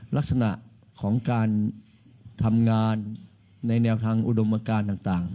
ลักษณะของการทำงานในแนวทางอุดมการต่าง